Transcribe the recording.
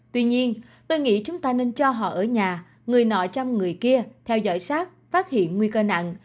tuy nhiên tôi nghĩ chúng ta nên cho họ ở nhà người nọ chăm người kia theo dõi sát phát hiện nguy cơ nặng